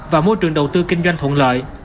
và môi trường đầu tư kinh doanh thuận lợi